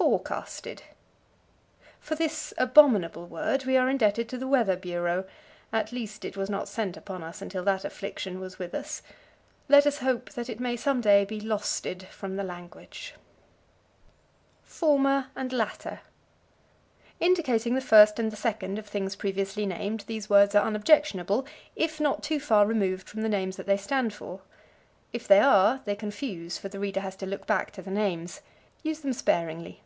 Forecasted. For this abominable word we are indebted to the weather bureau at least it was not sent upon us until that affliction was with us. Let us hope that it may some day be losted from the language. Former and Latter. Indicating the first and the second of things previously named, these words are unobjectionable if not too far removed from the names that they stand for. If they are they confuse, for the reader has to look back to the names. Use them sparingly.